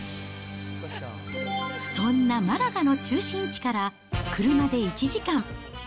そんなマラガの中心地から車で１時間。